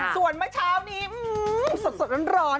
ส่วนเมื่อเช้านี้สดร้อน